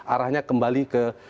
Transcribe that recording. arahnya kembali ke dua ribu empat belas